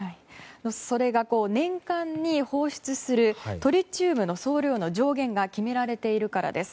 それが年間に放出するトリチウムの総量の上限が決められているからです。